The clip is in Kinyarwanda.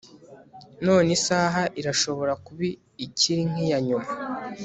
none isaha irashobora kuba ikiri nkiyanyuma